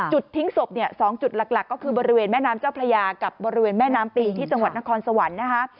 จุดทิ้งศพเนี่ย๒จุดหลักก็คือบริเวณแม่น้ำเจ้าพระยากับบริเวณแม่น้ำปีที่จังหวัดนครสวรรค์นะคะ